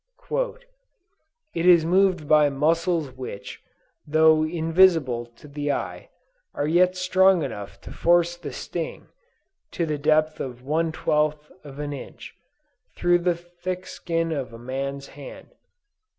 "It is moved by muscles which, though invisible to the eye, are yet strong enough to force the sting, to the depth of one twelfth of an inch, through the thick skin of a man's hand.